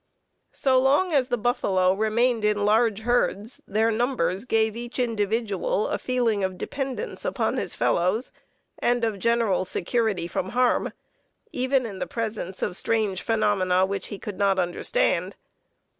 So long as the buffalo remained in large herds their numbers gave each individual a feeling of dependence upon his fellows and of general security from harm, even in the presence of strange phenomena which he could not understand.